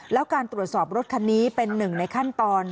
แล้วการตรวจสอบรถคันนี้เป็นหนึ่งในขั้นตอน